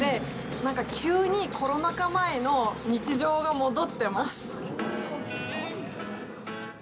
急にコロナ禍前の日常が戻ってます。